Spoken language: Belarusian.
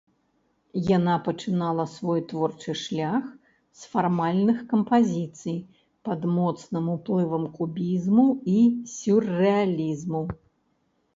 Яна пачынала свой творчы шлях з фармальных кампазіцый пад моцным уплывам кубізму і сюррэалізму.